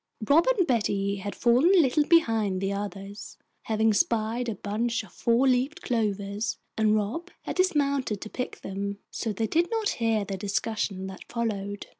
Rob and Betty had fallen a little behind the others, having spied a bunch of four leafed clovers, and Rob had dismounted to pick them, so they did not hear the discussion that followed.